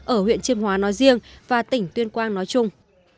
ở huyện chiêm hóa nói riêng và tỉnh tuyên quang nói chung